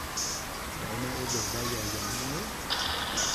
Vậy nên em đừng bao giờ giận nhé